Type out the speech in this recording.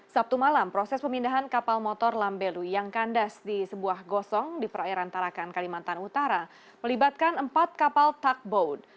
sabtu malam proses pemindahan kapal motor lambelu yang kandas di sebuah gosong di perairan tarakan kalimantan utara melibatkan empat kapal tugboat